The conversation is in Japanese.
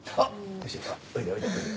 よしよしおいでおいでおいで。